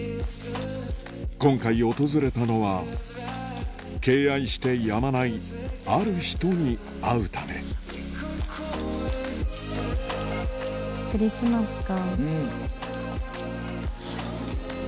今回訪れたのは敬愛してやまないある人に会うためクリスマスか。